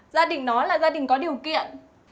gia đình nó là gia đình có điều kiện